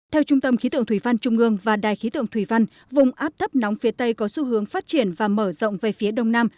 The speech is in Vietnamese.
theo trung tâm khí tượng thủy văn trung ương và đài khí tượng thủy văn vùng áp thấp nóng phía tây có xu hướng phát triển và mở rộng về phía đông nam